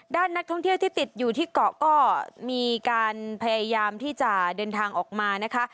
ด้านนักท่องเที่ยวที่ติดอยู่ที่เกาะก็มีการพยายามที่จะเดินทางออกมานะคะ